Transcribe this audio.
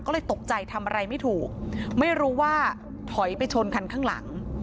ก็เลยตกใจทำอะไรไม่ถูกไม่รู้ว่าถอยไปชนคันข้างหลัง